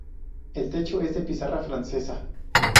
El techo es de pizarra francesa.